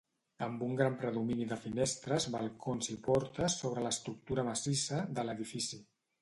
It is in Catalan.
Amb un gran predomini de finestres, balcons i portes sobre l'estructura massissa, de l'edifici.